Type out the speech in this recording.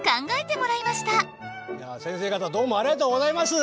いや先生方どうもありがとうございます。